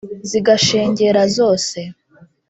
zigashengera zose,